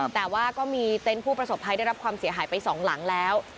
แต่ว่าก็มีเต็นต์ผู้ประสบภัยได้รับความเสียหายไปสองหลังแล้ว